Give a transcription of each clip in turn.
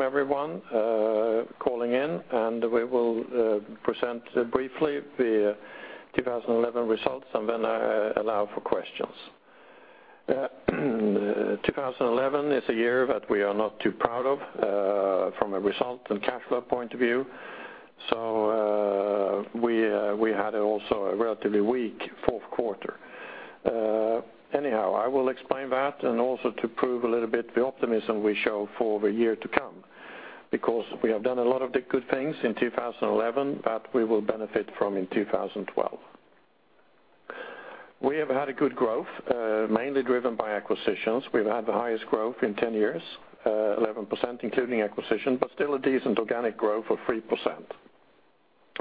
Welcome, everyone calling in, and we will present briefly the 2011 results and then allow for questions. 2011 is a year that we are not too proud of, from a result and cash flow point of view. So, we had also a relatively weak fourth quarter. Anyhow, I will explain that and also to prove a little bit the optimism we show for the year to come because we have done a lot of the good things in 2011 that we will benefit from in 2012. We have had a good growth, mainly driven by acquisitions. We've had the highest growth in 10 years, 11% including acquisition, but still a decent organic growth of 3%.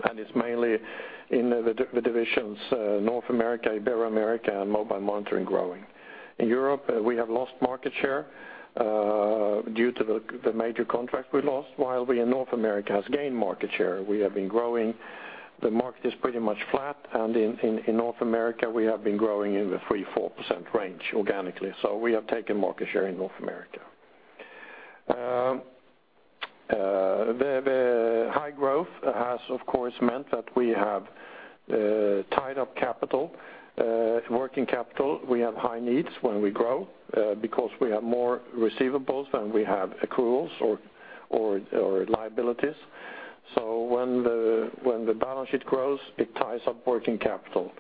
And it's mainly in the divisions, North America, Ibero-America, and mobile monitoring growing. In Europe, we have lost market share, due to the major contracts we lost, while we in North America has gained market share. We have been growing the market is pretty much flat, and in North America we have been growing in the 3%-4% range organically. So we have taken market share in North America. The high growth has, of course, meant that we have tied up capital, working capital. We have high needs when we grow, because we have more receivables than we have accruals or liabilities. So when the balance sheet grows, it ties up working capital.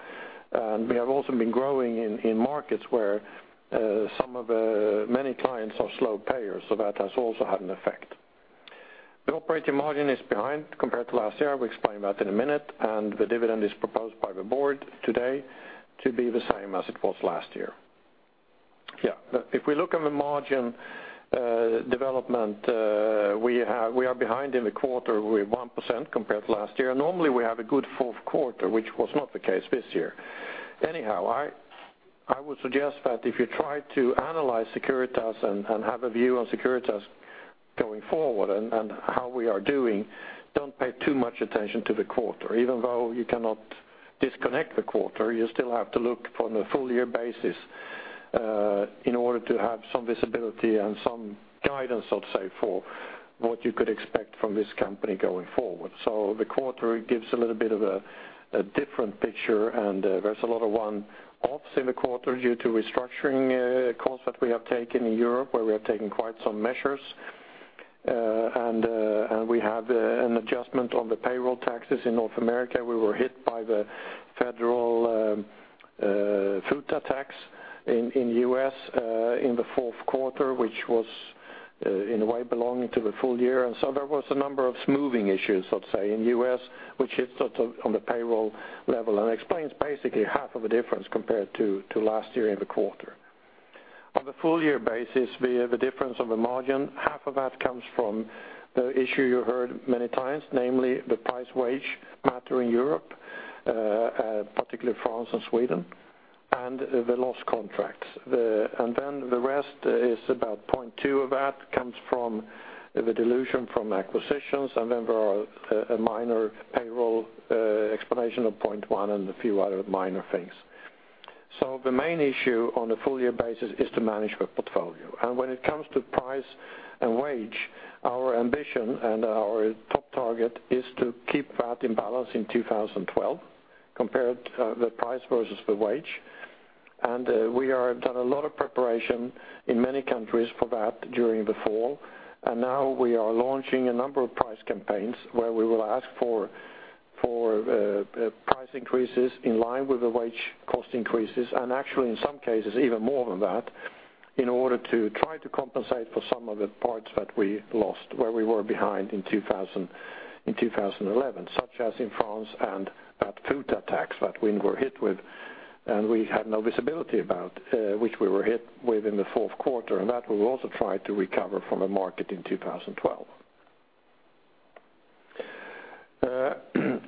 And we have also been growing in markets where some of the many clients are slow payers, so that has also had an effect. The operating margin is behind compared to last year. We'll explain that in a minute. The dividend is proposed by the board today to be the same as it was last year. Yeah. If we look at the margin development, we are behind in the quarter. We're 1% compared to last year. Normally, we have a good fourth quarter, which was not the case this year. Anyhow, I would suggest that if you try to analyze Securitas and have a view on Securitas going forward and how we are doing, don't pay too much attention to the quarter. Even though you cannot disconnect the quarter, you still have to look from a full-year basis, in order to have some visibility and some guidance, so to say, for what you could expect from this company going forward. So the quarter gives a little bit of a different picture, and there's a lot of one-offs in the quarter due to restructuring costs that we have taken in Europe where we have taken quite some measures. And we have an adjustment on the payroll taxes in North America. We were hit by the federal FUTA tax in the U.S. in the fourth quarter, which was, in a way, belonging to the full year. And so there was a number of smoothing issues, so to say, in the U.S. which hit, so to say, on the payroll level and explains basically half of the difference compared to last year in the quarter. On the full-year basis, the difference of the margin, half of that comes from the issue you heard many times, namely the price wage matter in Europe, particularly France and Sweden, and the lost contracts. And then the rest is about 0.2 of that comes from the dilution from acquisitions, and then there are a minor payroll explanation of 0.1 and a few other minor things. So the main issue on a full-year basis is to manage the portfolio. And when it comes to price and wage, our ambition and our top target is to keep that in balance in 2012 compared, the price versus the wage. And we have done a lot of preparation in many countries for that during the fall. And now we are launching a number of price campaigns where we will ask for price increases in line with the wage cost increases and actually, in some cases, even more than that in order to try to compensate for some of the parts that we lost where we were behind in 2010 in 2011, such as in France and that FUTA tax that we were hit with and we had no visibility about, which we were hit with in the fourth quarter. And that we will also try to recover from the market in 2012.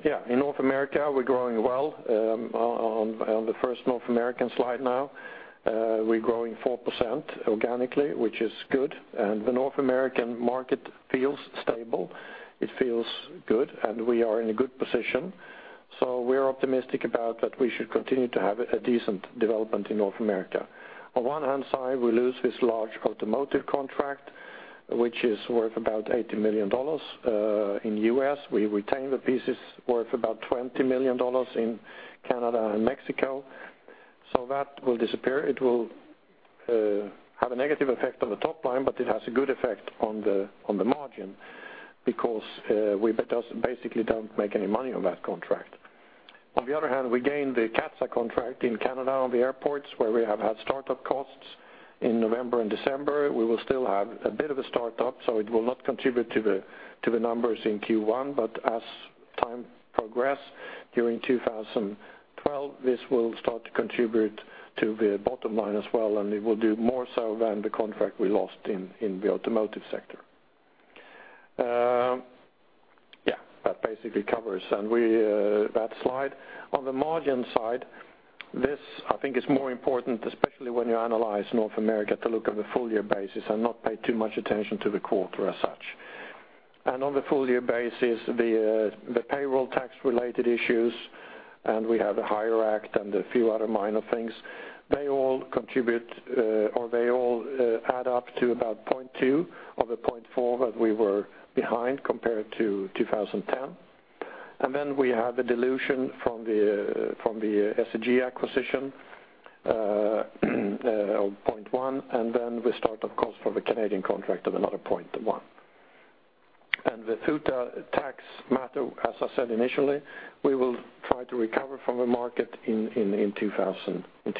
Yeah. In North America, we're growing well. On the first North American slide now, we're growing 4% organically, which is good. And the North American market feels stable. It feels good, and we are in a good position. So we're optimistic about that we should continue to have a decent development in North America. On one hand side, we lose this large automotive contract, which is worth about $80 million, in the U.S. We retain the pieces worth about $20 million in Canada and Mexico. So that will disappear. It will have a negative effect on the top line, but it has a good effect on the margin because we basically don't make any money on that contract. On the other hand, we gained the CATSA contract in Canada on the airports where we have had startup costs in November and December. We will still have a bit of a startup, so it will not contribute to the numbers in Q1, but as time progresses during 2012, this will start to contribute to the bottom line as well, and it will do more so than the contract we lost in the automotive sector. Yeah. That basically covers that slide. On the margin side, this I think is more important, especially when you analyze North America to look on a full-year basis and not pay too much attention to the quarter as such. On the full-year basis, the payroll tax-related issues and we have the HIRE Act and a few other minor things, they all add up to about 0.2 of the 0.4 that we were behind compared to 2010. And then we have the dilution from the SCG acquisition, of 0.1, and then we start, of course, for the Canadian contract of another 0.1. And the FUTA tax matter, as I said initially, we will try to recover from the market in 2011 in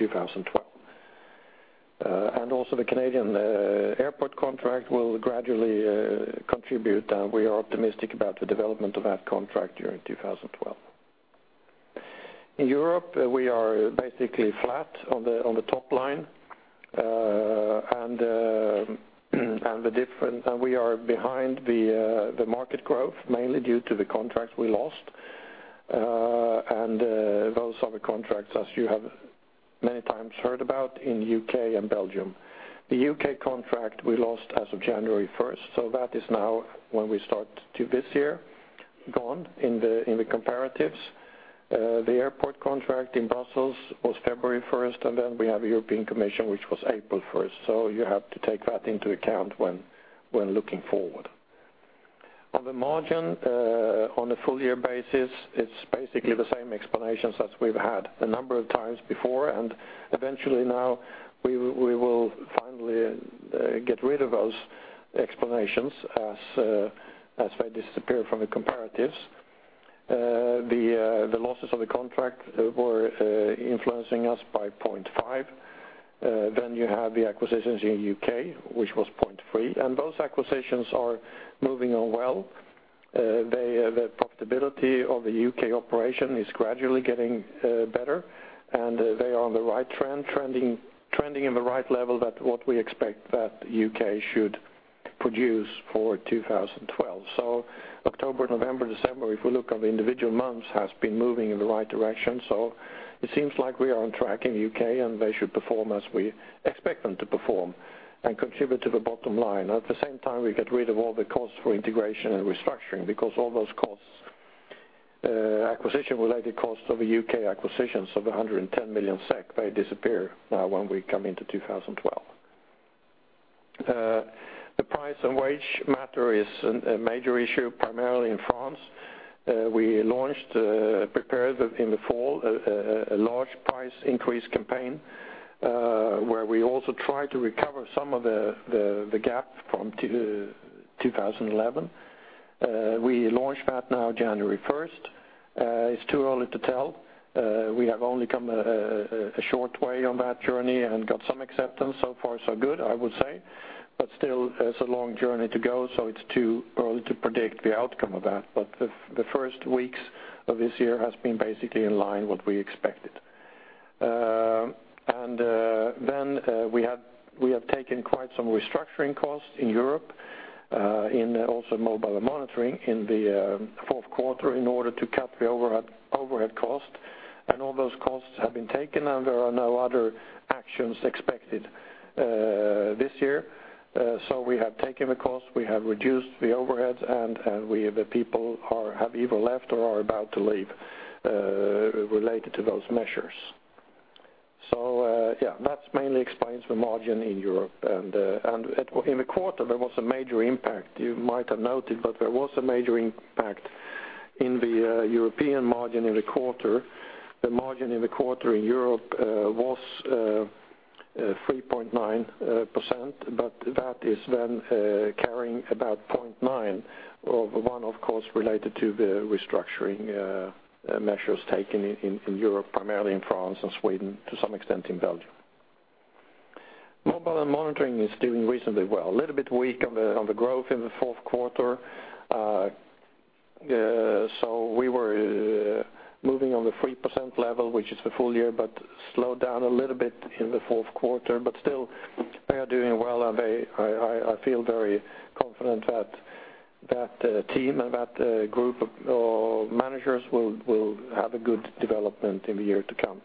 2012. And also the Canadian airport contract will gradually contribute, and we are optimistic about the development of that contract during 2012. In Europe, we are basically flat on the top line, and the delta and we are behind the market growth mainly due to the contracts we lost, and those are the contracts, as you have many times heard about, in the U.K. and Belgium. The U.K. contract we lost as of January 1st, so that is now when we start to this year, gone in the comparatives. The airport contract in Brussels was February 1st, and then we have the European Commission, which was April 1st. So you have to take that into account when looking forward. On the margin, on a full-year basis, it's basically the same explanations as we've had a number of times before, and eventually now we will finally get rid of those explanations as they disappear from the comparatives. The losses of the contract were influencing us by 0.5. Then you have the acquisitions in the U.K., which was 0.3, and those acquisitions are moving on well. They, the profitability of the U.K. operation is gradually getting better, and they are on the right trend, trending in the right level that what we expect that the U.K. should produce for 2012. So October, November, December, if we look on the individual months, has been moving in the right direction. So it seems like we are on track in the U.K., and they should perform as we expect them to perform and contribute to the bottom line. At the same time, we get rid of all the costs for integration and restructuring because all those costs, acquisition-related costs of the U.K. acquisitions of 110 million SEK, they disappear now when we come into 2012. The price and wage matter is a major issue primarily in France. We launched, prepared in the fall, a large price increase campaign, where we also tried to recover some of the gap from 2011. We launched that now January 1st. It’s too early to tell. We have only come a short way on that journey and got some acceptance. So far, so good, I would say, but still, it's a long journey to go, so it's too early to predict the outcome of that. But the first weeks of this year has been basically in line with what we expected. And then we have taken quite some restructuring costs in Europe, also in mobile monitoring in the fourth quarter in order to cut the overhead costs. And all those costs have been taken, and there are no other actions expected this year. We have taken the costs. We have reduced the overheads, and the people have either left or are about to leave related to those measures. Yeah. That mainly explains the margin in Europe. And in the quarter, there was a major impact. You might have noted, but there was a major impact in the European margin in the quarter. The margin in the quarter in Europe was 3.9%, but that is then carrying about 0.9 of one, of course, related to the restructuring measures taken in Europe, primarily in France and Sweden, to some extent in Belgium. Mobile monitoring is doing reasonably well. A little bit weak on the growth in the fourth quarter. We were moving on the 3% level, which is the full year, but slowed down a little bit in the fourth quarter. But still, they are doing well, and I feel very confident that that team and that group of managers will have a good development in the year to come.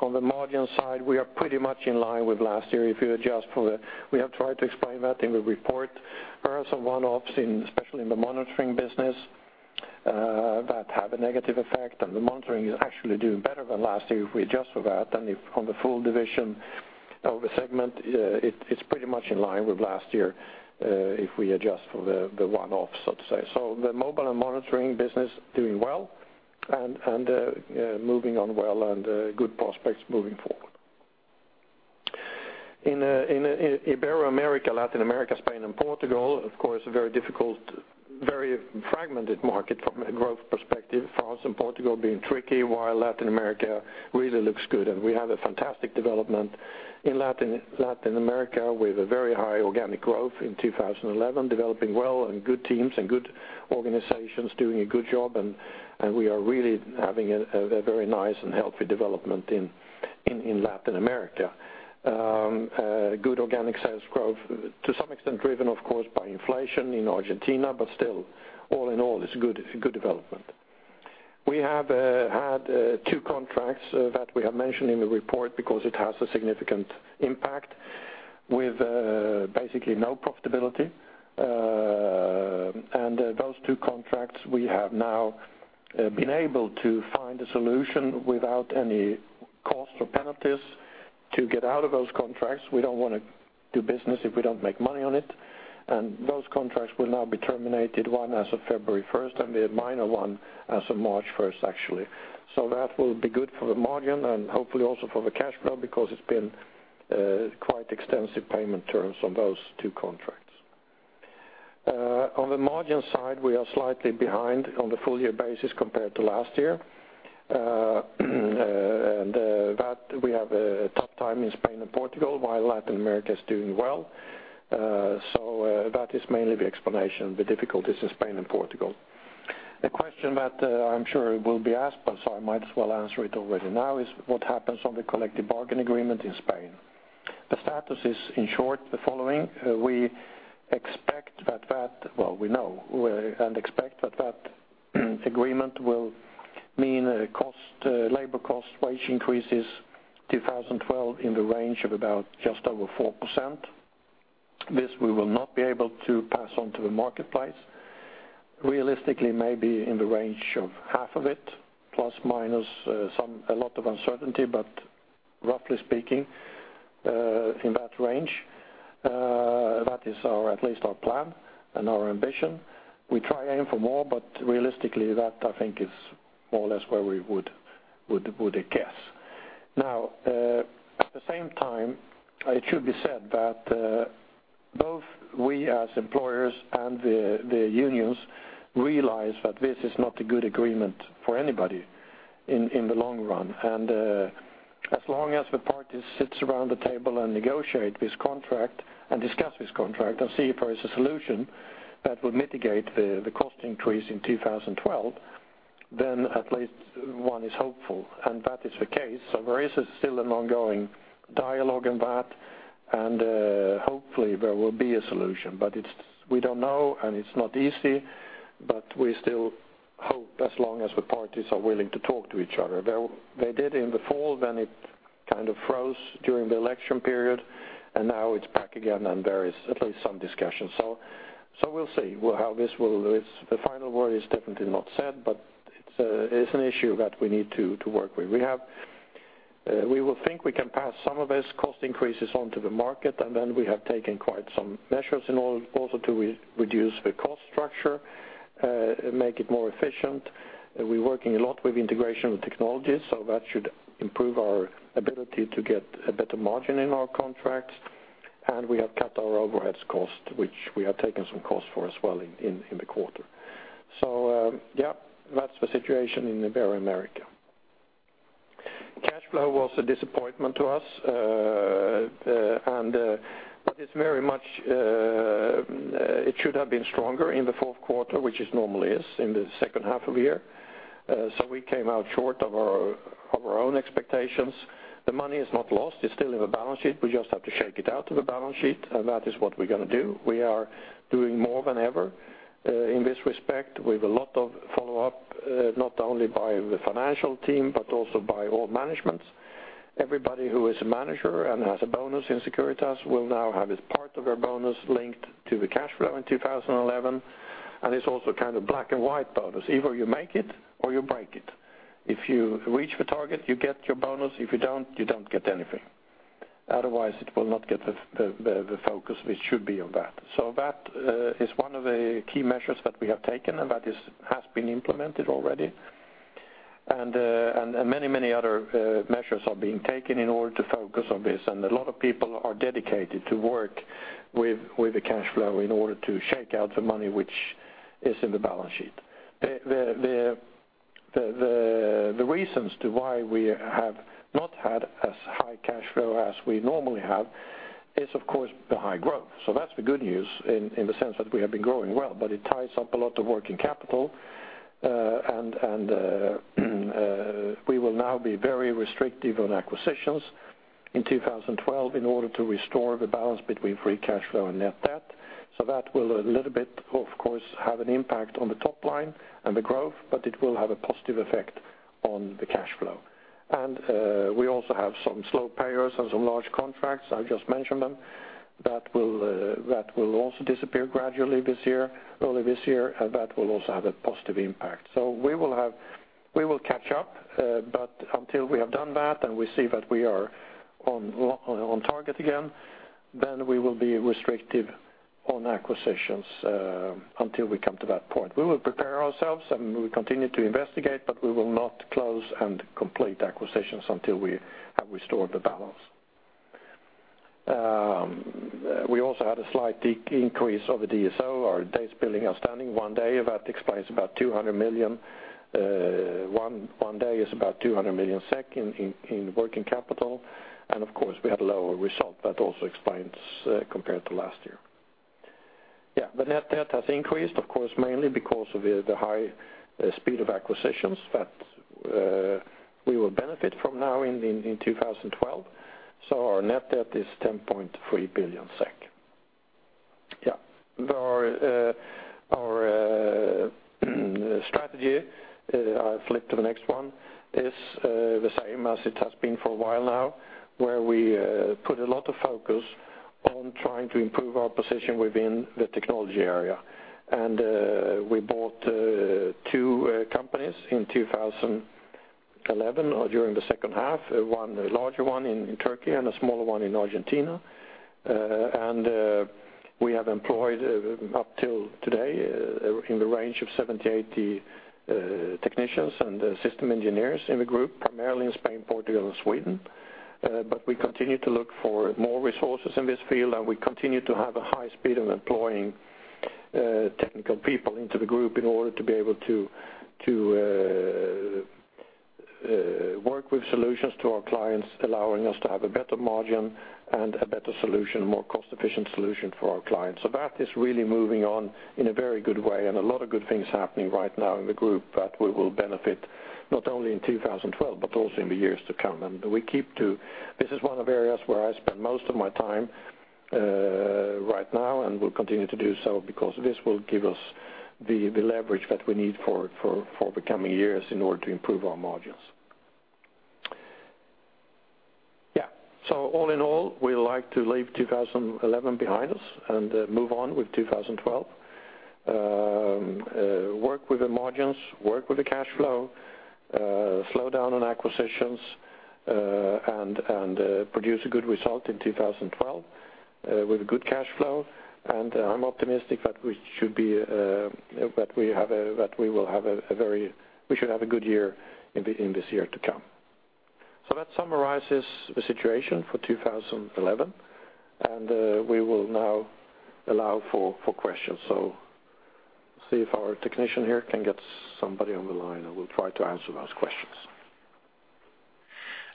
On the margin side, we are pretty much in line with last year if you adjust for the. We have tried to explain that in the report. There are some one-offs, especially in the monitoring business, that have a negative effect, and the monitoring is actually doing better than last year if we adjust for that. On the full division or the segment, it's pretty much in line with last year, if we adjust for the one-off, so to say. So the mobile and monitoring business doing well and moving on well and good prospects moving forward. In Ibero-America, Latin America, Spain, and Portugal, of course, a very difficult, very fragmented market from a growth perspective. France and Portugal being tricky, while Latin America really looks good. And we have a fantastic development in Latin America with a very high organic growth in 2011, developing well and good teams and good organizations doing a good job. And we are really having a very nice and healthy development in Latin America. Good organic sales growth to some extent driven, of course, by inflation in Argentina, but still, all in all, it's good, good development. We had two contracts that we have mentioned in the report because it has a significant impact with, basically no profitability. And those two contracts, we have now been able to find a solution without any costs or penalties to get out of those contracts. We don't want to do business if we don't make money on it. Those contracts will now be terminated, one as of February 1st, and the minor one as of March 1st, actually. So that will be good for the margin and hopefully also for the cash flow because it's been quite extensive payment terms on those two contracts. On the margin side, we are slightly behind on the full-year basis compared to last year. And that we have a tough time in Spain and Portugal while Latin America is doing well. So that is mainly the explanation, the difficulties in Spain and Portugal. A question that I'm sure will be asked, but so I might as well answer it already now is what happens on the collective bargaining agreement in Spain. The status is, in short, the following. We expect that—well, we know and expect that that agreement will mean cost, labor costs, wage increases in 2012 in the range of about just over 4%. This we will not be able to pass onto the marketplace. Realistically, maybe in the range of half of it, plus/minus, a lot of uncertainty, but roughly speaking, in that range. That is at least our plan and our ambition. We try and aim for more, but realistically, that I think is more or less where we would guess. Now, at the same time, it should be said that both we as employers and the unions realize that this is not a good agreement for anybody in the long run. As long as the parties sit around the table and negotiate this contract and discuss this contract and see if there is a solution that will mitigate the cost increase in 2012, then at least one is hopeful, and that is the case. So there is still an ongoing dialogue on that, and, hopefully, there will be a solution, but it's we don't know, and it's not easy, but we still hope as long as the parties are willing to talk to each other. There they did in the fall when it kind of froze during the election period, and now it's back again and there is at least some discussion. So we'll see how this will. It's the final word is definitely not said, but it's an issue that we need to work with. We will think we can pass some of these cost increases onto the market, and then we have taken quite some measures in order also to reduce the cost structure, make it more efficient. We're working a lot with integration with technologies, so that should improve our ability to get a better margin in our contracts. And we have cut our overhead costs, which we have taken some costs for as well in the quarter. So, yeah. That's the situation in Ibero-America. Cash flow was a disappointment to us, but it's very much; it should have been stronger in the fourth quarter, which it normally is in the second half of the year. So we came out short of our own expectations. The money is not lost. It's still in the balance sheet. We just have to shake it out of the balance sheet, and that is what we're going to do. We are doing more than ever, in this respect with a lot of follow-up, not only by the financial team but also by all managements. Everybody who is a manager and has a bonus in Securitas will now have as part of their bonus linked to the cash flow in 2011, and it's also kind of black-and-white bonus. Either you make it or you break it. If you reach the target, you get your bonus. If you don't, you don't get anything. Otherwise, it will not get the focus which should be on that. So that is one of the key measures that we have taken, and that is has been implemented already. Many other measures are being taken in order to focus on this, and a lot of people are dedicated to work with the cash flow in order to shake out the money which is in the balance sheet. The reasons to why we have not had as high cash flow as we normally have is, of course, the high growth. So that's the good news in the sense that we have been growing well, but it ties up a lot of working capital, and we will now be very restrictive on acquisitions in 2012 in order to restore the balance between free cash flow and net debt. So that will a little bit, of course, have an impact on the top line and the growth, but it will have a positive effect on the cash flow. We also have some slow payers and some large contracts. I just mentioned them that will also disappear gradually this year, early this year, and that will also have a positive impact. So we will catch up, but until we have done that and we see that we are on target again, then we will be restrictive on acquisitions, until we come to that point. We will prepare ourselves, and we continue to investigate, but we will not close and complete acquisitions until we have restored the balance. We also had a slight decrease of the DSO. Our days billing are standing one day. That explains about 200 million. One day is about 200 million SEK in working capital. Of course, we had a lower result. That also explains, compared to last year. Yeah. The net debt has increased, of course, mainly because of the high speed of acquisitions that we will benefit from now in 2012. So our net debt is 10.3 billion SEK. Yeah. Our strategy, I flipped to the next one, is the same as it has been for a while now where we put a lot of focus on trying to improve our position within the technology area. And we bought two companies in 2011 or during the second half, one larger one in Turkey and a smaller one in Argentina. And we have employed, up till today, in the range of 70-80 technicians and system engineers in the group, primarily in Spain, Portugal, and Sweden. But we continue to look for more resources in this field, and we continue to have a high speed of employing technical people into the group in order to be able to work with solutions to our clients, allowing us to have a better margin and a better solution, more cost-efficient solution for our clients. So that is really moving on in a very good way, and a lot of good things happening right now in the group that we will benefit not only in 2012 but also in the years to come. We keep to this. This is one of the areas where I spend most of my time right now and will continue to do so because this will give us the leverage that we need for the coming years in order to improve our margins. Yeah. So all in all, we'd like to leave 2011 behind us and move on with 2012, work with the margins, work with the cash flow, slow down on acquisitions, and produce a good result in 2012, with a good cash flow. And, I'm optimistic that we should be, that we will have a very good year in this year to come. So that summarizes the situation for 2011, and we will now allow for questions. So see if our technician here can get somebody on the line, and we'll try to answer those questions.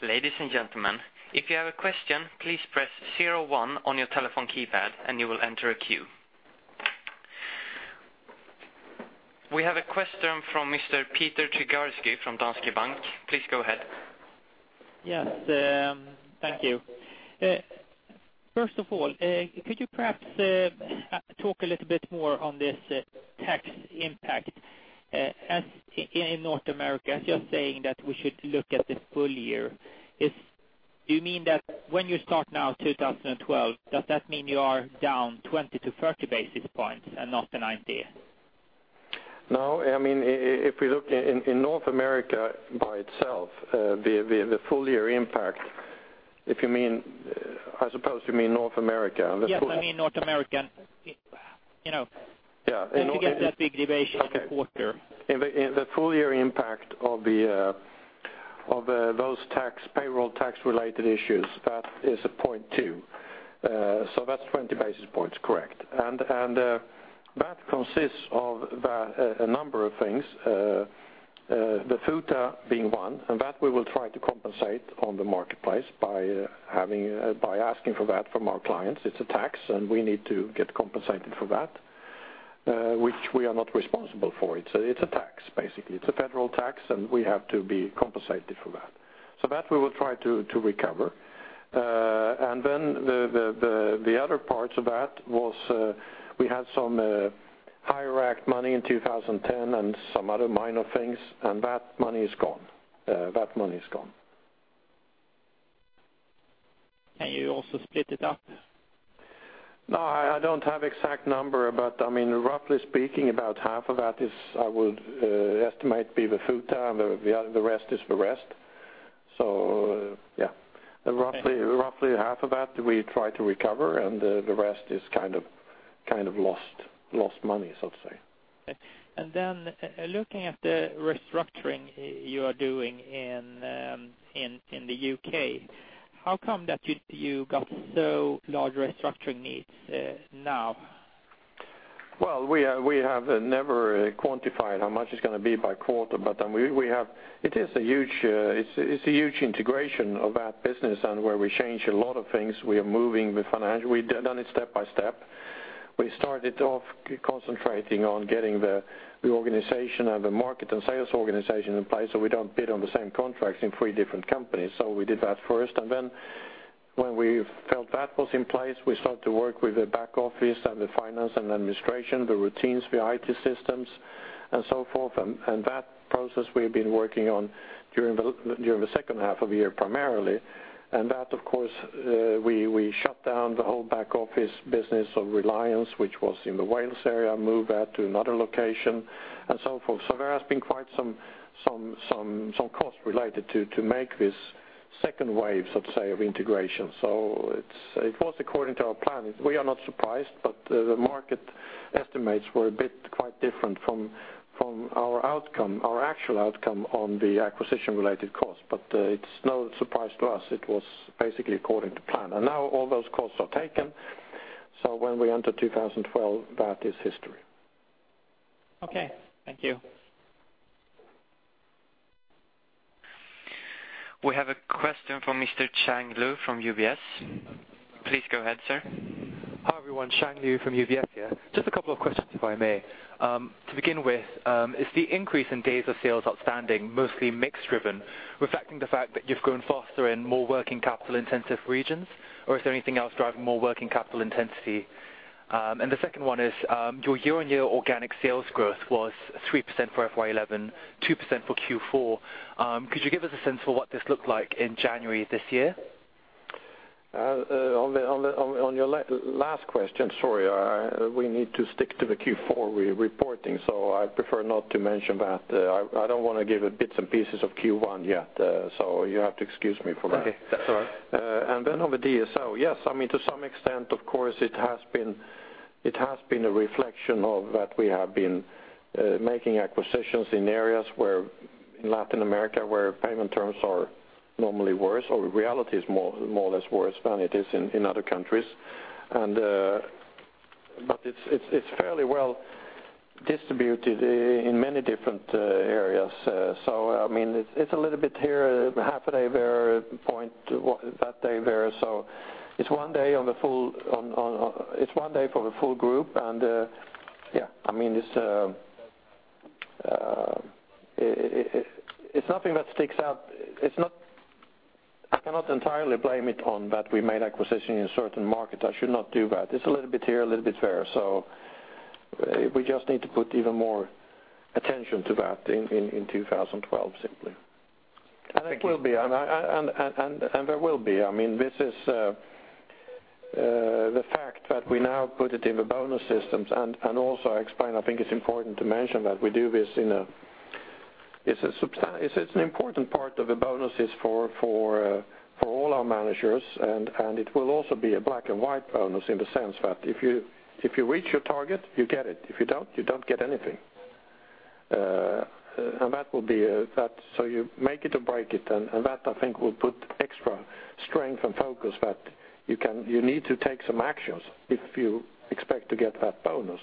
Ladies and gentlemen, if you have a question, please press zero one on your telephone keypad, and you will enter a queue. We have a question from Mr. Peter Trigarszky from Danske Bank. Please go ahead. Yes. Thank you. First of all, could you perhaps talk a little bit more on this tax impact, as in, in North America? As you're saying that we should look at the full year, is, do you mean that when you start now, 2012, does that mean you are down 20-30 basis points and not the 90? No. I mean, if we look in, in North America by itself, the full-year impact if you mean I suppose you mean North America and the full year. Yes. I mean North America. You know. Yeah. In the. If you get that big deviation in the quarter. Okay. In the full-year impact of the, of, those tax payroll tax-related issues, that is a point too. So that's 20 basis points, correct. And that consists of a number of things, the FUTA being one, and that we will try to compensate on the marketplace by asking for that from our clients. It's a tax, and we need to get compensated for that, which we are not responsible for. It's a tax, basically. It's a federal tax, and we have to be compensated for that. So that we will try to recover. And then the other parts of that was, we had some HIRE Act money in 2010 and some other minor things, and that money is gone. That money is gone. Can you also split it up? No. I don't have exact number, but I mean, roughly speaking, about half of that is I would estimate be the FUTA, and the rest is the rest. So, yeah. Roughly half of that we try to recover, and the rest is kind of lost money, so to say. Okay. Then, looking at the restructuring you are doing in the U.K., how come that you got so large restructuring needs, now? Well, we have never quantified how much it's going to be by quarter, but we have, it is a huge, it's a huge integration of that business, and where we change a lot of things, we are moving the financial we've done it step by step. We started off concentrating on getting the organization and the market and sales organization in place so we don't bid on the same contracts in three different companies. So we did that first. And then when we felt that was in place, we started to work with the back office and the finance and administration, the routines, the IT systems, and so forth. And that process we have been working on during the second half of the year primarily. And that, of course, we shut down the whole back office business of Reliance, which was in the Wales area, moved that to another location, and so forth. So there has been quite some cost related to make this second wave, so to say, of integration. So it was according to our plan. We are not surprised, but the market estimates were a bit quite different from our outcome, our actual outcome on the acquisition-related cost. But it's no surprise to us. It was basically according to plan. And now all those costs are taken, so when we enter 2012, that is history. Okay. Thank you. We have a question from Mr. Chan Liu from UBS. Please go ahead, sir. Hi everyone. Chan Liu from UBS here. Just a couple of questions if I may. To begin with, is the increase in days of sales outstanding mostly mixed-driven, reflecting the fact that you've grown faster in more working capital-intensive regions, or is there anything else driving more working capital intensity? And the second one is, your year-on-year organic sales growth was 3% for FY11, 2% for Q4. Could you give us a sense for what this looked like in January this year? On your last question, sorry. We need to stick to the Q4 reporting, so I prefer not to mention that. I, I don't want to give bits and pieces of Q1 yet, so you have to excuse me for that. Okay. That's all right. Then on the DSO. Yes. I mean, to some extent, of course, it has been it has been a reflection of that we have been, making acquisitions in areas where in Latin America where payment terms are normally worse or reality is more, more or less worse than it is in, in other countries. And, but it's, it's, it's fairly well distributed, in many different, areas. So, I mean, it's, it's a little bit here, half a day there, point that day there. So it's one day on the full on, on, on it's one day for the full group, and, yeah. I mean, it's, it, it, it, it, it's nothing that sticks out. It's not I cannot entirely blame it on that we made acquisition in certain markets. I should not do that. It's a little bit here, a little bit there. So, we just need to put even more attention to that in 2012, simply. And it will be. And I and there will be. I mean, this is the fact that we now put it in the bonus systems and also I explain I think it's important to mention that we do this in a it's an important part of the bonuses for all our managers, and it will also be a black-and-white bonus in the sense that if you reach your target, you get it. If you don't, you don't get anything. and that will be that so you make it or break it, and that, I think, will put extra strength and focus that you need to take some actions if you expect to get that bonus.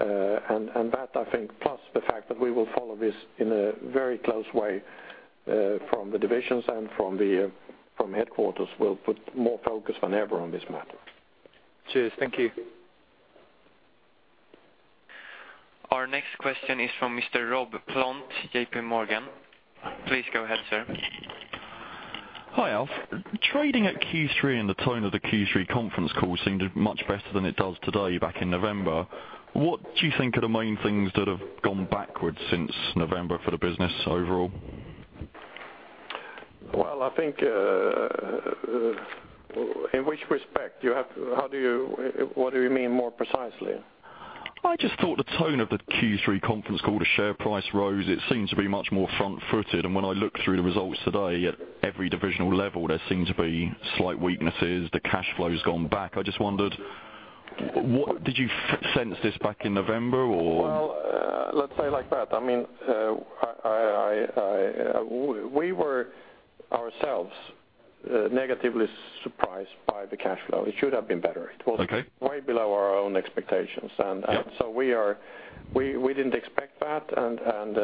And that, I think, plus the fact that we will follow this in a very close way, from the divisions and from headquarters will put more focus than ever on this matter. Cheers. Thank you. Our next question is from Mr. Robert Plant, J.P. Morgan. Please go ahead, sir. Hi Alf. Trading at Q3 and the tone of the Q3 conference call seemed much better than it does today back in November. What do you think are the main things that have gone backwards since November for the business overall? Well, I think, in which respect? You have how do you what do you mean more precisely? I just thought the tone of the Q3 conference call, the share price rose. It seems to be much more front-footed. And when I look through the results today at every divisional level, there seem to be slight weaknesses. The cash flow's gone back. I just wondered what did you sense this back in November, or? Well, let's say like that. I mean, we were ourselves negatively surprised by the cash flow. It should have been better. It was way below our own expectations. And we didn't expect that, and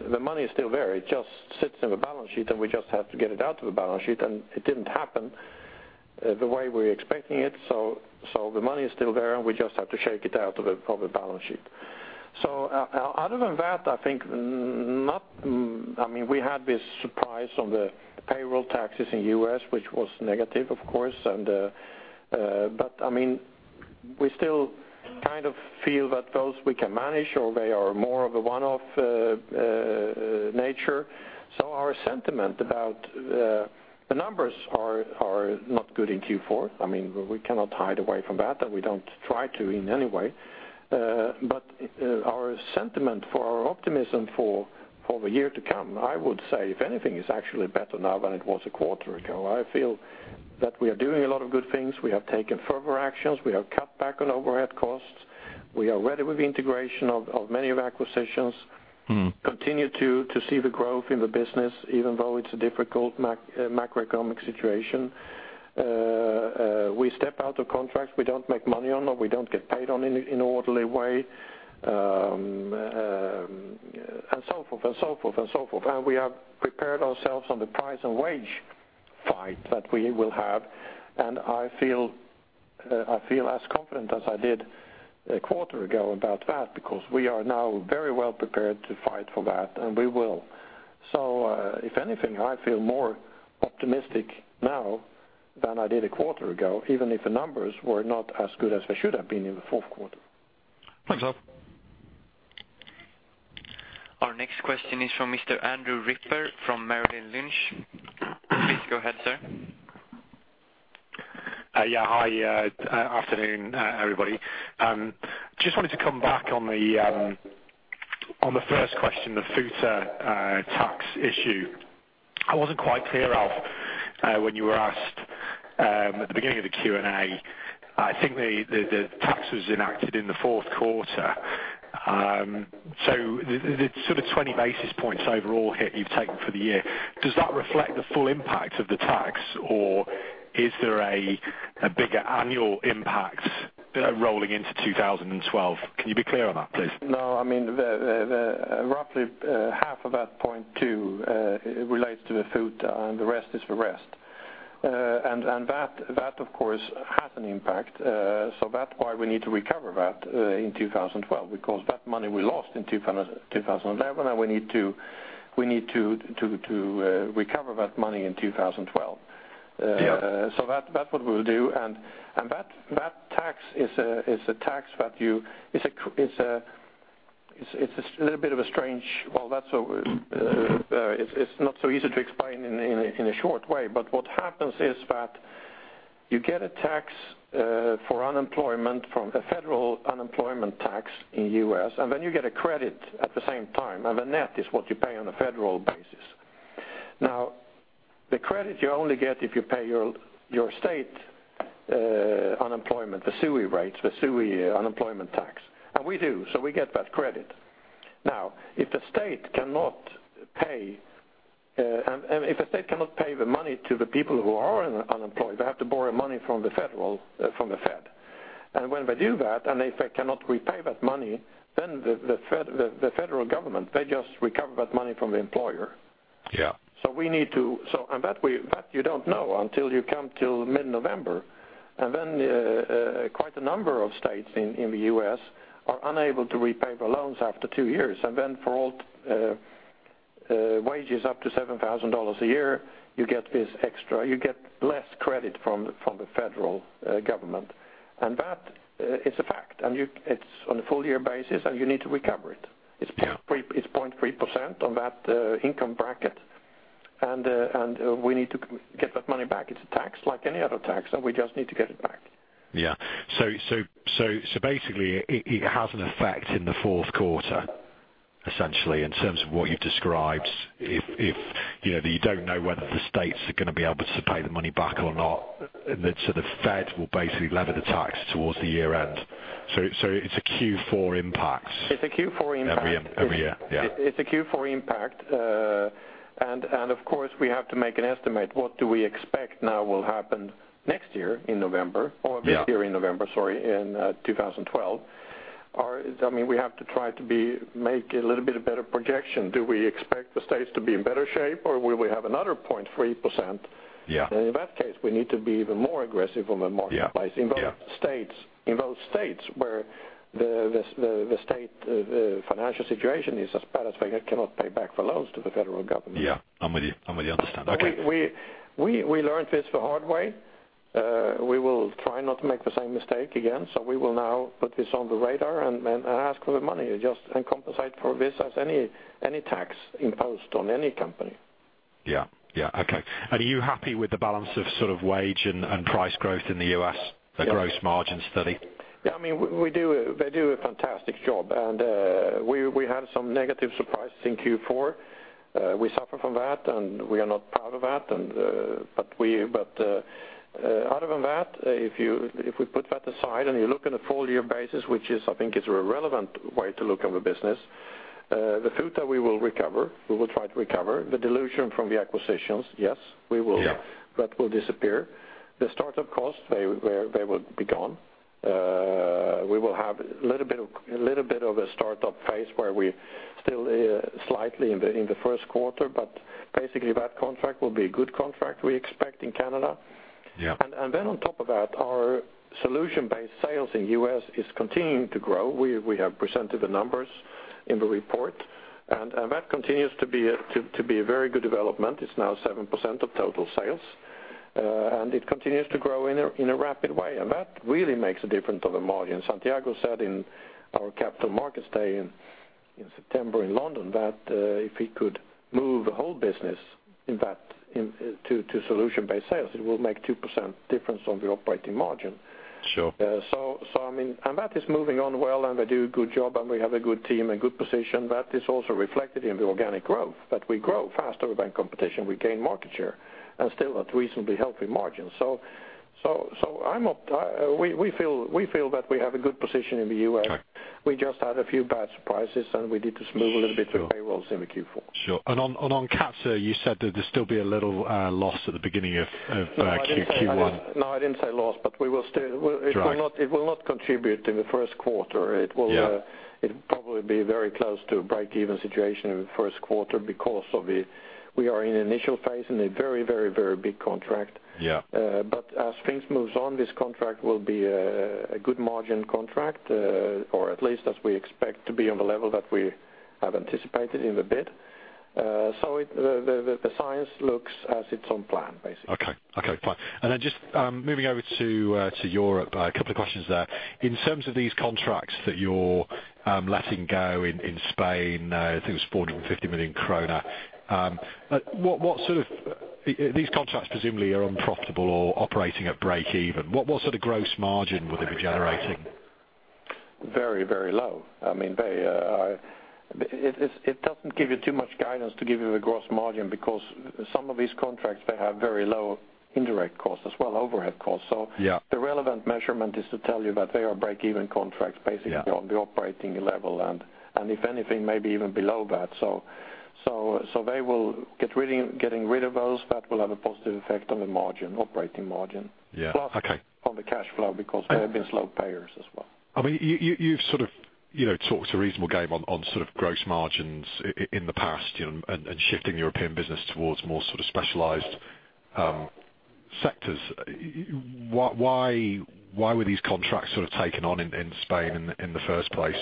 the money is still there. It just sits in the balance sheet, and we just have to get it out of the balance sheet. And it didn't happen the way we were expecting it. So, the money is still there, and we just have to shake it out of the balance sheet. So, other than that, I think—I mean, we had this surprise on the payroll taxes in the U.S., which was negative, of course. But, I mean, we still kind of feel that those we can manage, or they are more of a one-off nature. So our sentiment about the numbers are not good in Q4. I mean, we cannot hide away from that, and we don't try to in any way. But, our sentiment for our optimism for the year to come, I would say, if anything, is actually better now than it was a quarter ago. I feel that we are doing a lot of good things. We have taken further actions. We have cut back on overhead costs. We are ready with the integration of many of the acquisitions. Continue to see the growth in the business even though it's a difficult macroeconomic situation. We step out of contracts we don't make money on or we don't get paid on in an orderly way, and so forth and so forth and so forth. We have prepared ourselves on the price and wage fight that we will have. I feel as confident as I did a quarter ago about that because we are now very well prepared to fight for that, and we will. So, if anything, I feel more optimistic now than I did a quarter ago, even if the numbers were not as good as they should have been in the fourth quarter. Thanks, Alf. Our next question is from Mr. Andrew Ripper from Merrill Lynch. Please go ahead, sir. Yeah. Hi. Afternoon, everybody. Just wanted to come back on the first question, the FUTA tax issue. I wasn't quite clear, Alf, when you were asked at the beginning of the Q&A. I think the tax was enacted in the fourth quarter. So the sort of 20 basis points overall hit you've taken for the year. Does that reflect the full impact of the tax, or is there a bigger annual impact rolling into 2012? Can you be clear on that, please? No. I mean, the roughly half of that point, too, relates to the FUTA, and the rest is the rest. And that, of course, has an impact. So that's why we need to recover that in 2012 because that money we lost in 2011, and we need to recover that money in 2012. Yeah, So that's what we will do. And that tax is a tax that you—it's a little bit strange. Well, that's—it's not so easy to explain in a short way. But what happens is that you get a tax for unemployment from a federal unemployment tax in the U.S., and then you get a credit at the same time. And the net is what you pay on a federal basis. Now, the credit you only get if you pay your state unemployment, the SUE rates, the SUE unemployment tax. And we do, so we get that credit. Now, if the state cannot pay, and if the state cannot pay the money to the people who are unemployed, they have to borrow money from the federal from the Fed. And when they do that, and if they cannot repay that money, then the federal government, they just recover that money from the employer. Yeah. So we need to, and that you don't know until you come till mid-November. And then, quite a number of states in the U.S. are unable to repay their loans after two years. And then for all wages up to $7,000 a year, you get this extra; you get less credit from the federal government. And that is a fact. And you, it's on a full-year basis, and you need to recover it. It's 0.3%. Yeah. It's 0.3% on that income bracket. And we need to get that money back. It's a tax like any other tax, and we just need to get it back. Yeah. So basically, it has an effect in the fourth quarter, essentially, in terms of what you've described if you know that you don't know whether the states are going to be able to pay the money back or not, and that sort of Fed will basically leverage the tax towards the year-end. So it's a Q4 impact. It's a Q4 impact. Every year. Yeah. It's a Q4 impact. And of course, we have to make an estimate. What do we expect now will happen next year in November or this year? In November, sorry, in 2012? I mean, we have to try to make a little bit of better projection. Do we expect the states to be in better shape, or will we have another 0.3%? Yeah. In that case, we need to be even more aggressive on the marketplace. Yeah. In both states where the state financial situation is as bad as they cannot pay back the loans to the federal government. Yeah. I'm with you. I'm with you. Understand. Okay. We learned this the hard way. We will try not to make the same mistake again. So we will now put this on the radar and ask for the money just and compensate for this as any tax imposed on any company. Yeah. Yeah. Okay. And are you happy with the balance of sort of wage and price growth in the US, the gross margin study? Yeah. I mean, we do. They do a fantastic job. And we had some negative surprises in Q4. We suffered from that, and we are not proud of that. But other than that, if we put that aside and you look on a full-year basis, which I think is a relevant way to look on the business, the FUTA, we will recover. We will try to recover. The dilution from the acquisitions, yes, we will. Yeah. That will disappear. The startup cost, they will be gone. We will have a little bit of a startup phase where we still slightly in the first quarter. But basically, that contract will be a good contract we expect in Canada. Yeah. And then on top of that, our solution-based Sales in the U.S. is continuing to grow. We have presented the numbers in the report. And that continues to be a very good development. It's now 7% of total sales. And it continues to grow in a rapid way. And that really makes a difference on the margin. Santiago said in our Capital Markets Day in September in London that, if he could move the whole business into solution-based sales, it will make 2% difference on the operating margin. Sure. So I mean and that is moving on well, and they do a good job, and we have a good team and good position. That is also reflected in the organic growth that we grow faster than competition. We gain market share and still at reasonably healthy margins. So we feel that we have a good position in the U.S.. Okay. We just had a few bad surprises, and we need to smooth a little bit of payrolls in the Q4. Sure. And on CATSA, you said that there'd still be a little loss at the beginning of Q1. No, I didn't say loss, but we will still. It will not contribute in the first quarter. It will. Yeah. It will probably be very close to a break-even situation in the first quarter because we are in the initial phase in a very, very, very big contract. Yeah. But as things move on, this contract will be a good margin contract, or at least as we expect to be on the level that we have anticipated in the bid. So the signs look as it's on plan, basically. Okay. Okay. Fine. Then just moving over to Europe, a couple of questions there. In terms of these contracts that you're letting go in Spain, I think it was 450 million kronor, what sort of these contracts presumably are unprofitable or operating at break-even. What sort of gross margin will they be generating? Very low. I mean, they, it doesn't give you too much guidance to give you a gross margin because some of these contracts, they have very low indirect costs as well, overhead costs. So. Yeah. The relevant measurement is to tell you that they are break-even contracts, basically. Yeah. On the operating level and if anything, maybe even below that. So they will get rid of those. That will have a positive effect on the margin, operating margin. Yeah. Plus. Okay. On the cash flow because they have been slow payers as well. I mean, you, you've sort of, you know, talked a reasonable game on sort of gross margins in the past, you know, and shifting European business towards more sort of specialized sectors. Why were these contracts sort of taken on in Spain in the first place?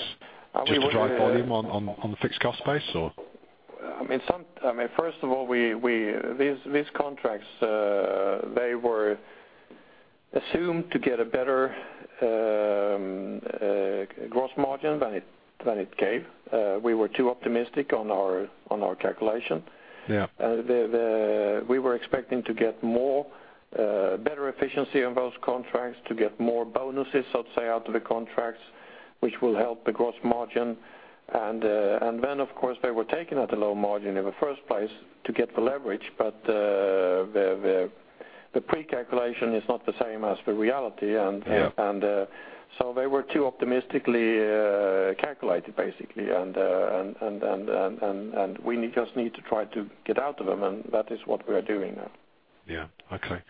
Just to drive volume on the fixed cost base, or? I mean, first of all, these contracts, they were assumed to get a better gross margin than it gave. We were too optimistic on our calculation. Yeah. And we were expecting to get more better efficiency on those contracts, to get more bonuses, so to say, out of the contracts, which will help the gross margin. And then, of course, they were taken at a low margin in the first place to get the leverage. But the precalculation is not the same as the reality. Yeah. And so they were too optimistically calculated, basically. And we just need to try to get out of them. And that is what we are doing now. Yeah. Okay.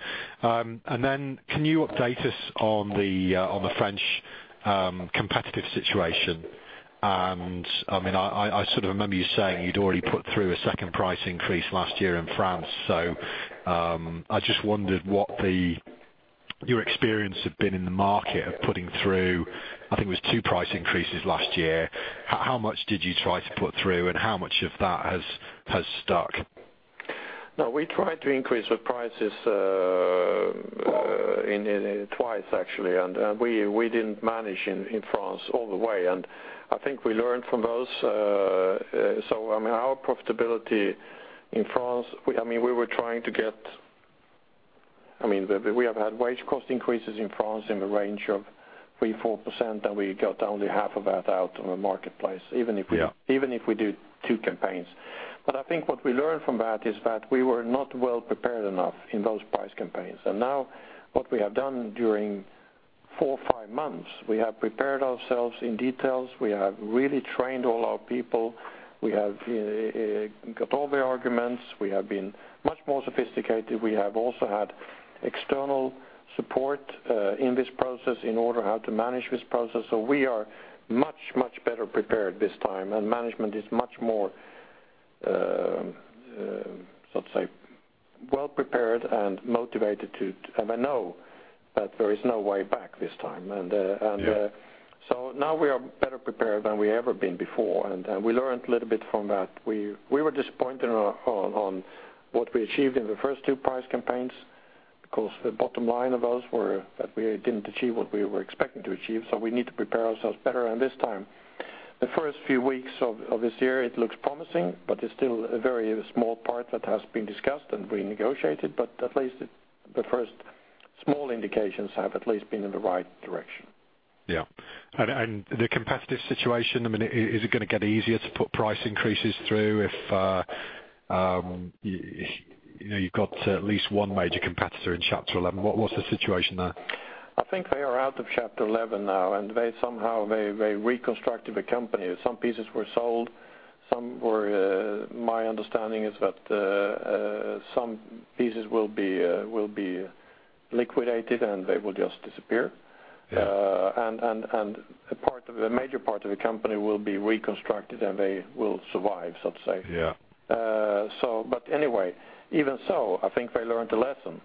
And then can you update us on the French competitive situation? And I mean, I sort of remember you saying you'd already put through a second price increase last year in France. So, I just wondered what your experience had been in the market of putting through I think it was two price increases last year. How much did you try to put through, and how much of that has stuck? No, we tried to increase the prices twice, actually. And we didn't manage in France all the way. And I think we learned from those. So, I mean, our profitability in France. I mean, we have had wage cost increases in France in the range of 3%-4%, and we got only half of that out on the marketplace even if we do two campaigns. But I think what we learned from that is that we were not well prepared enough in those price campaigns. And now what we have done during 4 months-5 months, we have prepared ourselves in detail. We have really trained all our people. We have got all the arguments. We have been much more sophisticated. We have also had external support in this process in order how to manage this process. So we are much, much better prepared this time. And management is much more, so to say, well prepared and motivated, and they know that there is no way back this time. Yeah. So now we are better prepared than we ever been before. We learned a little bit from that. We were disappointed on what we achieved in the first two price campaigns because the bottom line of those were that we didn't achieve what we were expecting to achieve. So we need to prepare ourselves better. And this time, the first few weeks of this year, it looks promising, but it's still a very small part that has been discussed and renegotiated. But at least it's the first small indications have at least been in the right direction. Yeah. And the competitive situation, I mean, is it going to get easier to put price increases through if, you know, you've got at least one major competitor in Chapter 11? What's the situation there? I think they are out of Chapter 11 now, and they somehow reconstructed the company. Some pieces were sold. Some were, my understanding is that, some pieces will be liquidated, and they will just disappear. And a major part of the company will be reconstructed, and they will survive, so to say. Yeah. So but anyway, even so, I think they learned the lesson.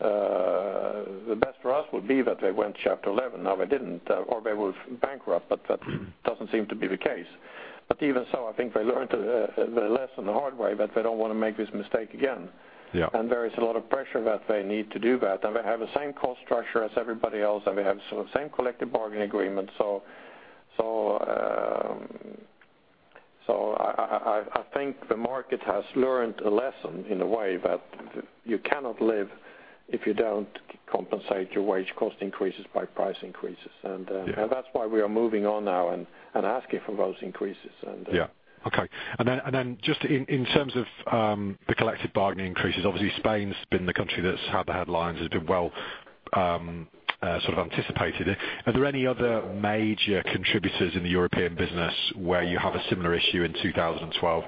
The best for us would be that they went Chapter 11. Now, they didn't, or they will bankrupt, but that doesn't seem to be the case. But even so, I think they learned the lesson the hard way that they don't want to make this mistake again. And there is a lot of pressure that they need to do that. And they have the same cost structure as everybody else, and they have sort of same collective bargaining agreement. So I think the market has learned a lesson in a way that you cannot live if you don't compensate your wage cost increases by price increases. And yeah. And that's why we are moving on now and asking for those increases. Okay. Then just in terms of the collective bargaining increases, obviously, Spain's been the country that's had the headlines; has been, well, sort of anticipated it. Are there any other major contributors in the European business where you have a similar issue in 2012?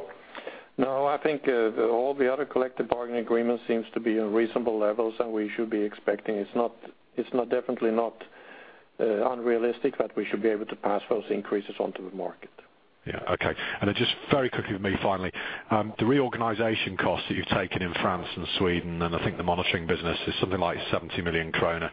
No, I think all the other collective bargaining agreements seems to be on reasonable levels, and we should be expecting. It's not definitely not unrealistic that we should be able to pass those increases onto the market. Yeah. Okay. And then just very quickly with me, finally, the reorganization costs that you've taken in France and Sweden, and I think the monitoring business is something like 70 million kronor.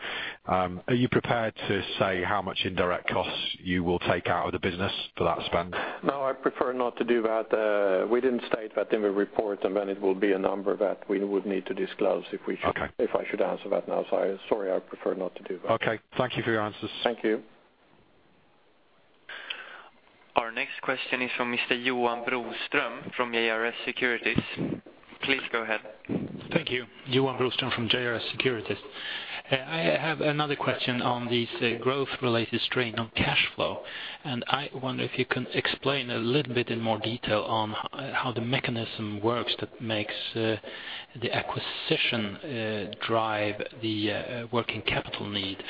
Are you prepared to say how much indirect costs you will take out of the business for that spend? No, I prefer not to do that. We didn't state that in the report, and then it will be a number that we would need to disclose if we should. Okay. If I should answer that now. So, I'm sorry, I prefer not to do that. Okay. Thank you for your answers. Thank you. Our next question is from Mr. Johan Broström from JRS Securities. Please go ahead. Thank you. Johan Broström from JRS Securities. I have another question on this growth-related strain on cash flow. And I wonder if you can explain a little bit in more detail on how the mechanism works that makes the acquisition drive the working capital need.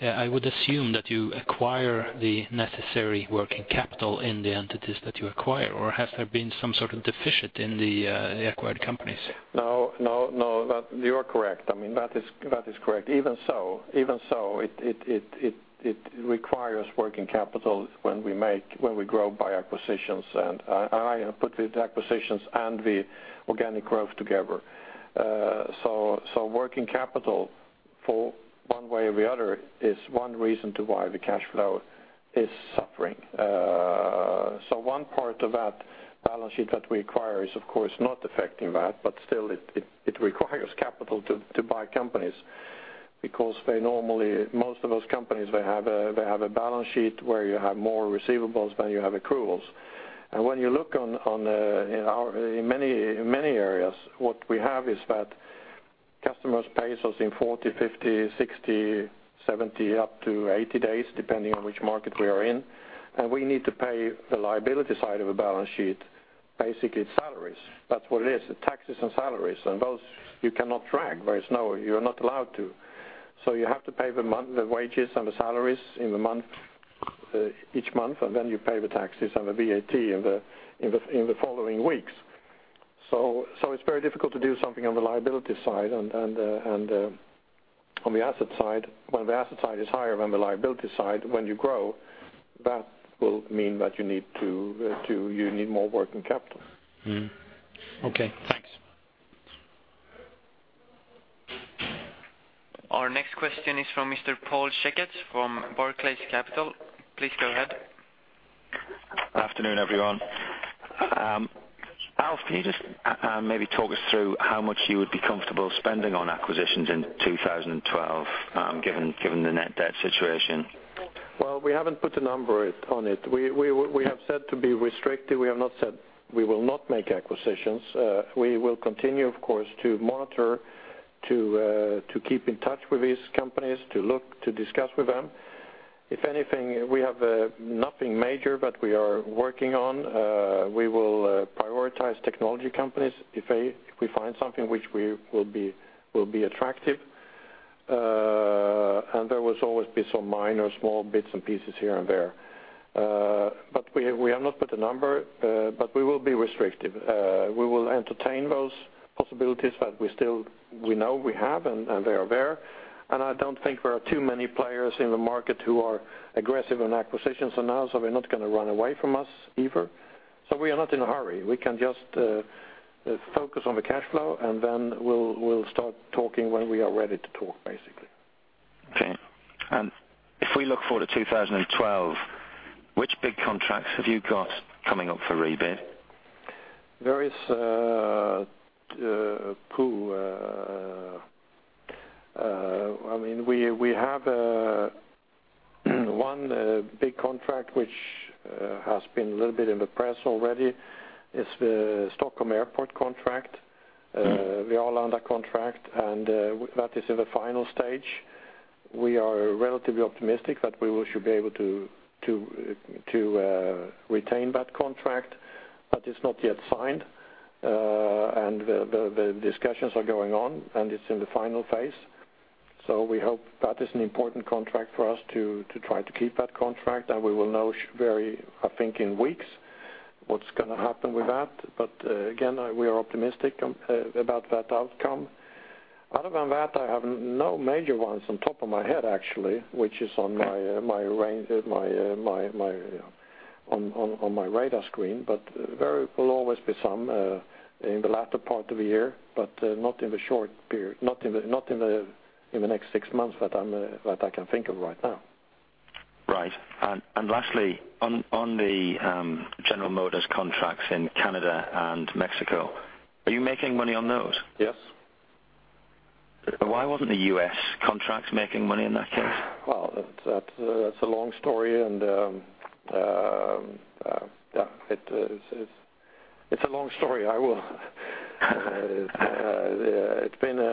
I would assume that you acquire the necessary working capital in the entities that you acquire, or has there been some sort of deficit in the acquired companies? No, no, no. You are correct. I mean, that is correct. Even so, it requires working capital when we grow by acquisitions. And I put the acquisitions and the organic growth together. Working capital for one way or the other is one reason why the cash flow is suffering. So one part of that balance sheet that we acquire is, of course, not affecting that, but still, it requires capital to buy companies because normally most of those companies have a balance sheet where you have more receivables than you have accruals. And when you look in our many areas, what we have is that customers pay us in 40, 50, 60, 70, up to 80 days, depending on which market we are in. And we need to pay the liability side of the balance sheet, basically salaries. That's what it is, the taxes and salaries. And those you cannot drag, whereas you are not allowed to. So you have to pay the month the wages and the salaries in the month each month, and then you pay the taxes and the VAT in the following weeks. So it's very difficult to do something on the liability side. And on the asset side when the asset side is higher than the liability side, when you grow, that will mean that you need to you need more working capital. Okay. Thanks. Our next question is from Mr. Paul Checketts from Barclays Capital. Please go ahead. Afternoon, everyone. Can you just, maybe talk us through how much you would be comfortable spending on acquisitions in 2012, given the net debt situation? Well, we haven't put a number on it. We have said to be restricted. We have not said we will not make acquisitions. We will continue, of course, to monitor, to keep in touch with these companies, to look, to discuss with them. If anything, we have nothing major that we are working on. We will prioritize technology companies if we find something which we will be attractive. And there will always be some minor small bits and pieces here and there. But we have not put a number, but we will be restrictive. We will entertain those possibilities that we still know we have, and they are there. And I don't think there are too many players in the market who are aggressive on acquisitions on ours, so they're not going to run away from us either. So we are not in a hurry. We can just focus on the cash flow, and then we'll start talking when we are ready to talk, basically. Okay. And if we look forward to 2012, which big contracts have you got coming up for rebid? There is. I mean, we have one big contract which has been a little bit in the press already. It's the Stockholm Arlanda Airport contract, and that is in the final stage. We are relatively optimistic that we will should be able to retain that contract, but it's not yet signed. And the discussions are going on, and it's in the final phase. So we hope that is an important contract for us to try to keep that contract. And we will know shortly, I think, in weeks what's going to happen with that. But, again, we are optimistic about that outcome. Other than that, I have no major ones off the top of my head, actually, which are on my radar screen. But there will always be some in the latter part of the year, but not in the short period, not in the next six months that I can think of right now. Right. And lastly, on the General Motors contracts in Canada and Mexico, are you making money on those? Yes. Why wasn't the U.S. contracts making money in that case? Well, that's a long story. And yeah, it's a long story.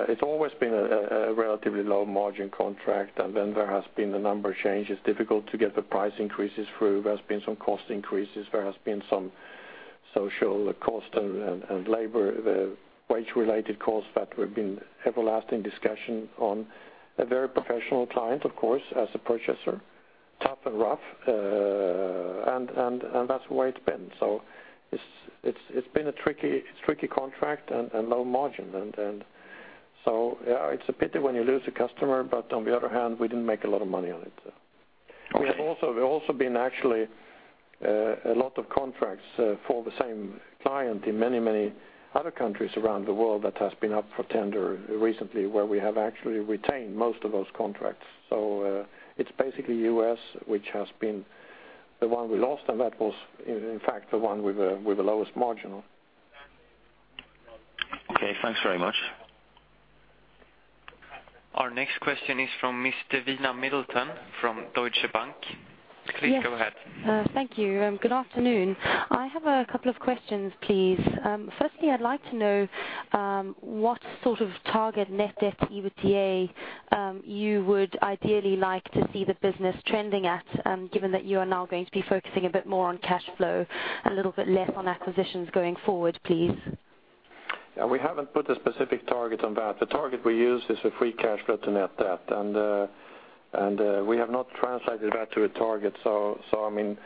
It's always been a relatively low-margin contract. And then there has been the number change. It's difficult to get the price increases through. There has been some cost increases. There has been some social cost and labor the wage-related costs that we've been everlasting discussion on. A very professional client, of course, as a purchaser. Tough and rough. That's the way it's been. So it's been a tricky contract and low margin. And so, yeah, it's a pity when you lose a customer, but on the other hand, we didn't make a lot of money on it, so. Okay. We have also we've also been, actually, a lot of contracts, for the same client in many, many other countries around the world that has been up for tender recently where we have actually retained most of those contracts. So, it's basically the U.S. which has been the one we lost, and that was, in fact, the one with the lowest margin. Okay. Thanks very much. Our next question is from Mr. [Wina] Middleton from Deutsche Bank. Please go ahead. Yes. Thank you. Good afternoon. I have a couple of questions, please. Firstly, I'd like to know what sort of target net debt EBITDA you would ideally like to see the business trending at, given that you are now going to be focusing a bit more on cash flow and a little bit less on acquisitions going forward, please? Yeah, we haven't put a specific target on that. The target we use is a free cash flow to net debt. And, and, we have not translated that to a target. So, I mean,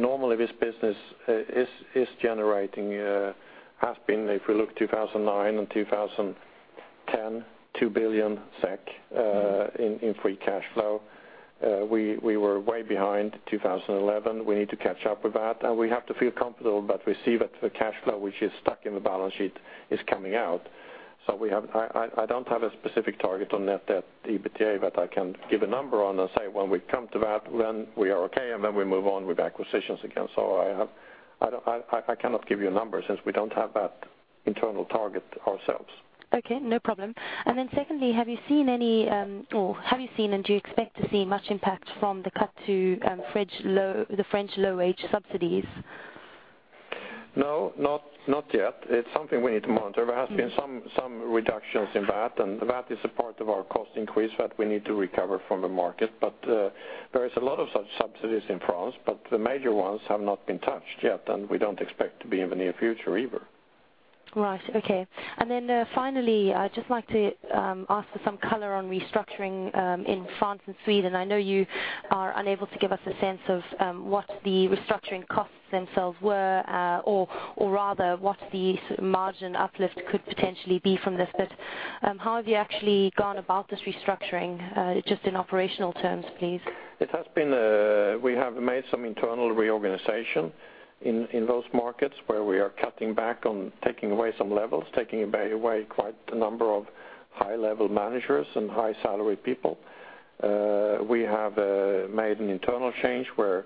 normally this business is generating, has been, if we look 2009 and 2010, 2 billion SEK in free cash flow. We were way behind 2011. We need to catch up with that. We have to feel comfortable that we see that the cash flow which is stuck in the balance sheet is coming out. So we, I don't have a specific target on net debt EBITDA that I can give a number on and say when we come to that, when we are okay, and then we move on with acquisitions again. So I don't, I cannot give you a number since we don't have that internal target ourselves. Okay. No problem. And then secondly, have you seen any, or do you expect to see much impact from the cut to the French low-wage subsidies? No, not yet. It's something we need to monitor. There has been some reductions in that, and that is a part of our cost increase that we need to recover from the market. But there is a lot of such subsidies in France, but the major ones have not been touched yet, and we don't expect to be in the near future either. Right. Okay. And then, finally, I'd just like to ask for some color on restructuring in France and Sweden. I know you are unable to give us a sense of what the restructuring costs themselves were, or rather, what the margin uplift could potentially be from this. But, how have you actually gone about this restructuring, just in operational terms, please? We have made some internal reorganization in those markets where we are cutting back on taking away some levels, taking away quite a number of high-level managers and high-salaried people. We have made an internal change where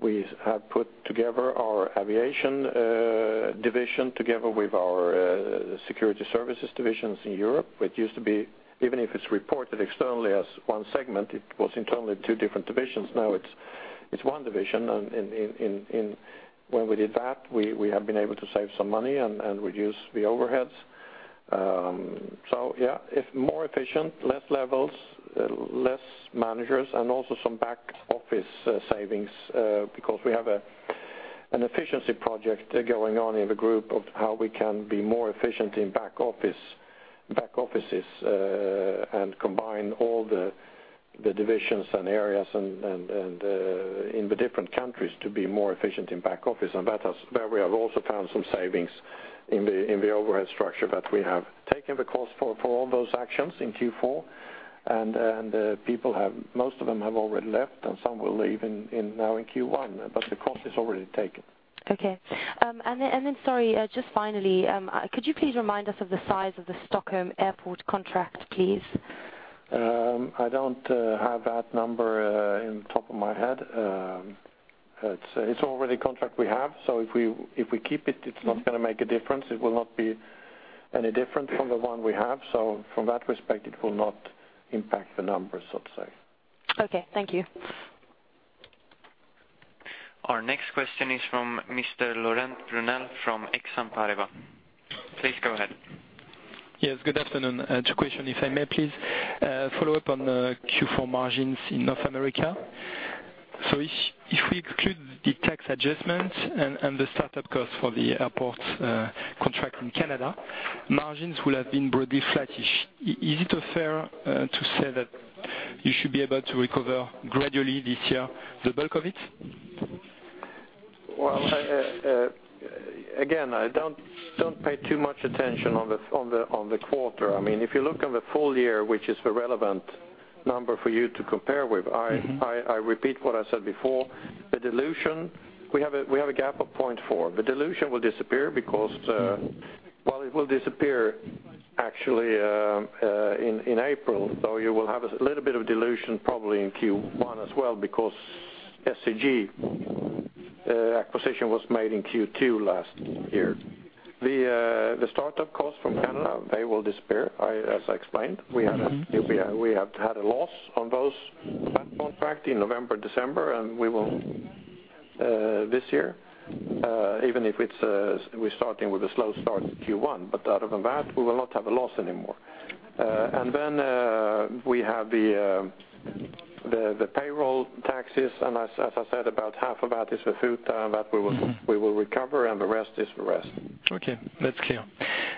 we have put together our aviation division together with our security services divisions in Europe. It used to be even if it's reported externally as one segment, it was internally two different divisions. Now it's one division. And when we did that, we have been able to save some money and reduce the overheads. So, yeah, it's more efficient, less levels, less managers, and also some back-office savings, because we have an efficiency project going on in the group of how we can be more efficient in back-office back offices, and combine all the divisions and areas and in the different countries to be more efficient in back-office. And that's where we have also found some savings in the overhead structure that we have taken the cost for all those actions in Q4. And most of them have already left, and some will leave now in Q1, but the cost is already taken. Okay. And then, sorry, just finally, could you please remind us of the size of the Stockholm Airport contract, please? I don't have that number in the top of my head. It's already a contract we have. So if we keep it, it's not going to make a difference. It will not be any different from the one we have. So from that respect, it will not impact the numbers, so to say. Okay. Thank you. Our next question is from Mr. Laurent Brunelle from Exane BNP Paribas. Please go ahead. Yes. Good afternoon. Two questions, if I may, please. Follow up on the Q4 margins in North America. So if we exclude the tax adjustments and the startup costs for the airports contract in Canada, margins will have been broadly flattish. Is it fair to say that you should be able to recover gradually this year the bulk of it? Well, I again don't pay too much attention to the quarter. I mean, if you look on the full year, which is the relevant number for you to compare with, I repeat what I said before. The dilution we have a gap of 0.4. The dilution will disappear because, well, it will disappear, actually, in April. So you will have a little bit of dilution probably in Q1 as well because SCG acquisition was made in Q2 last year. The startup costs from Canada, they will disappear. I as I explained, we have had a loss on those bag contract in November, December, and we will, this year, even if it's, we're starting with a slow start in Q1. But other than that, we will not have a loss anymore, and then we have the payroll taxes. And as I said, about half of that is the full time that we will recover, and the rest is the rest. Okay. That's clear.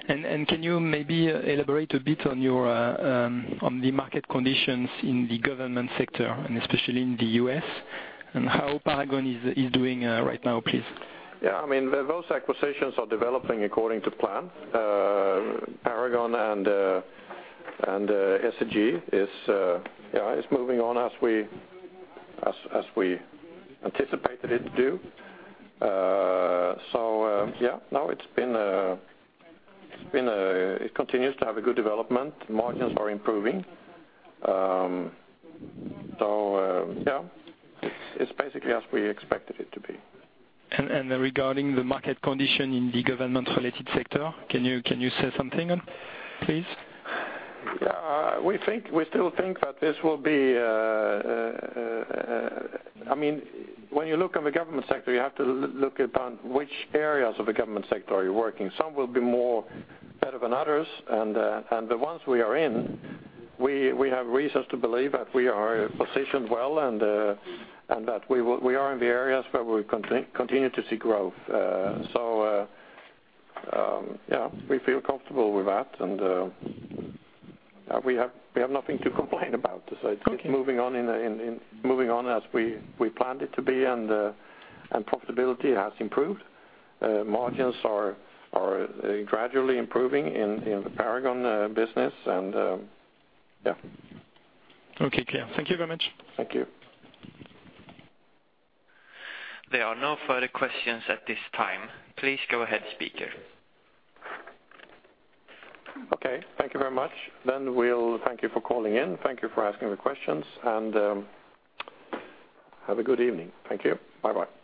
And can you maybe elaborate a bit on the market conditions in the government sector, and especially in the U.S., and how Paragon is doing right now, please? Yeah. I mean, those acquisitions are developing according to plan. Paragon and SCG, yeah, it's moving on as we anticipated it to do. So, yeah, no, it's been, it continues to have a good development. Margins are improving. So, yeah, it's basically as we expected it to be. And regarding the market condition in the government-related sector, can you say something, please? Yeah. We think we still think that this will be, I mean, when you look on the government sector, you have to look upon which areas of the government sector are you working. Some will be more better than others. And the ones we are in, we have reasons to believe that we are positioned well and that we will, we are in the areas where we continue to see growth. So, yeah, we feel comfortable with that. And yeah, we have nothing to complain about. So it's moving on as we planned it to be, and profitability has improved. Margins are gradually improving in the Paragon business. And yeah. Okay. Clear. Thank you very much. Thank you. There are no further questions at this time. Please go ahead, speaker. Okay. Thank you very much. Then we'll thank you for calling in. Thank you for asking the questions. And, have a good evening. Thank you. Bye-bye.